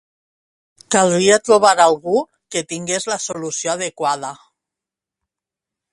Caldria trobar algú que tingués la solució adequada.